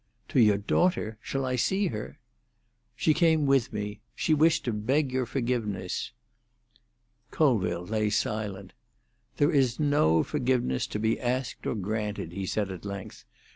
"To your daughter? Shall I see her?" "She came with me. She wished to beg your forgiveness." Colville lay silent. "There is no forgiveness to be asked or granted," he said, at length.